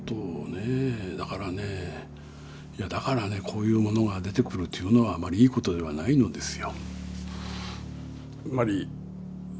だからねだからねこういうものが出てくるというのはあまりいいことではないのですよ。